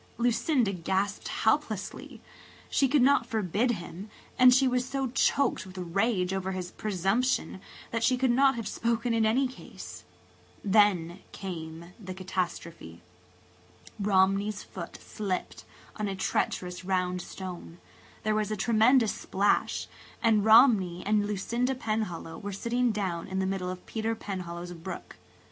Lucinda gasped helplessly. She could not forbid him and she was so choked with rage over his presumption that she could not have spoken in any case. Then came the catastrophe. Romney's foot slipped on a treacherous round stone–there was a tremendous splash–and Romney and Lucinda Penhallow were sitting down in the middle of Peter Penhallow's brook.